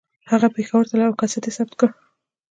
هغه پېښور ته لاړ او کیسټ یې ثبت کړه